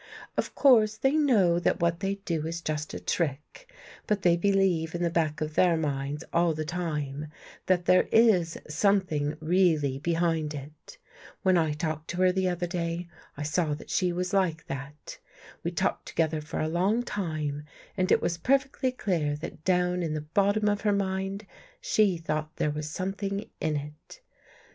Of course they know that what they do is just a trick, but they believe, in the back of their minds, all the time, that there is something really be hind it. When I talked to her the other day, I saw that she was like that. We talked together for a long time and it was perfectly clear that down in the bottom of her mind, she thought there was something in it.